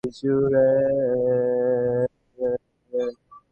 এ জন্য নিজেকে বিশ্বের সব থেকে সৌভাগ্যবান পুরুষ মনে করছেন নিক।